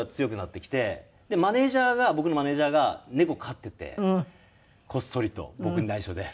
マネージャーが僕のマネージャーが猫飼っててこっそりと僕に内緒で。